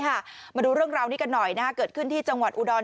มาดูเรื่องราวนี้กันหน่อยนะฮะเกิดขึ้นที่จังหวัดอุดร